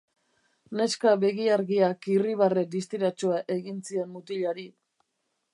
Neska begi-argiak irribarre distiratsua egin zion mutilari.